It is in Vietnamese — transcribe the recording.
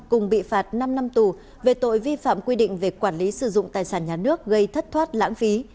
cùng bị phạt năm năm tù về tội vi phạm quy định về quản lý sử dụng tài sản nhà nước gây thất thoát lãng phí